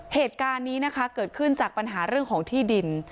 เหตุการณ์นี้นะคะเกิดขึ้นจากปัญหาเรื่องของที่ดิน